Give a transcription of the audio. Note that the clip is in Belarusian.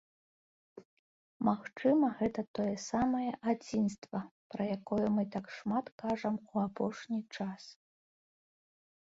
Магчыма, гэта тое самае адзінства, пра якое мы так шмат кажам у апошні час.